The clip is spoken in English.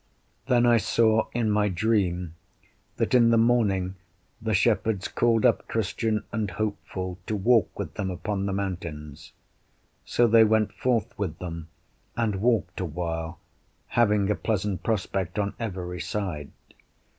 Then I saw in my dream, that in the morning the shepherds called up Christian and Hopeful to walk with them upon the mountains; so they went forth with them, and walked a while, having a pleasant prospect on every side.